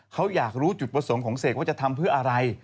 เขาอยากรู้จุดประสงค์ของเสกว่าจะทำเพื่ออะไร